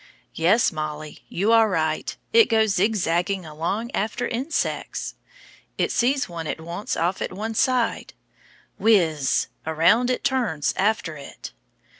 Yes, Mollie, you are right, it goes zigzagging along after insects. It sees one it wants off at one side whizz! around it turns after it.